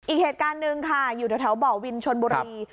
อีกเหตุการณ์หนึ่งค่ะอยู่แถวบ่อวินชนบุรี